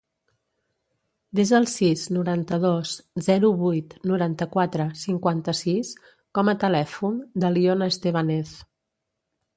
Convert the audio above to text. Desa el sis, noranta-dos, zero, vuit, noranta-quatre, cinquanta-sis com a telèfon de l'Iona Estebanez.